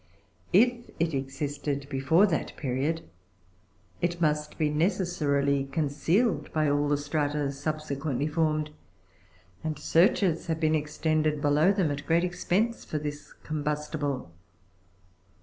If it existed before that period, it must be necessarily concealed by aU the strata subsequently formed, and searches have been extended below them at great expense for this combustible.